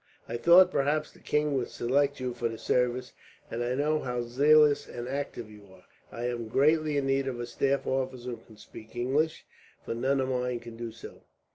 "I thought perhaps the king would select you for the service, and I know how zealous and active you are. I am greatly in need of a staff officer who can speak English, for none of mine can do so.